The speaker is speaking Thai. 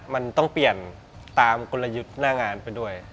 มันต้องเปลี่ยนตามกลยุทธ์หน้างานไปด้วย